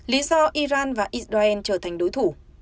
lý do iran và israel trở thành đối thủ